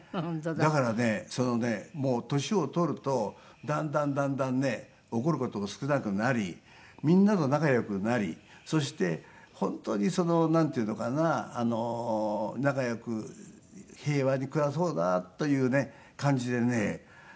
だからねもう年を取るとだんだんだんだんね怒る事も少なくなりみんなと仲良くなりそして本当になんていうのかな仲良く平和に暮らそうなというね感じでね